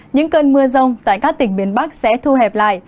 những cơn mưa rông tại các tỉnh miền bắc sẽ thu hẹp lại